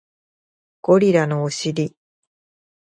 ゴリラのお尻